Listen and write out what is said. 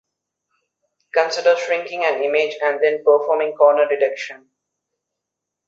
Consider shrinking an image and then performing corner detection.